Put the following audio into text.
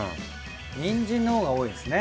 にんじんのほうが多いんですね。